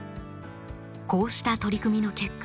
こうした取り組みの結果